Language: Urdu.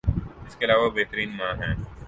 اس کے علاوہ وہ بہترین ماں ہیں